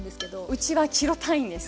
うちはキロ単位です。